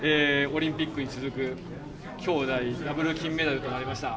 オリンピックに続くきょうだいダブル金メダルとなりました。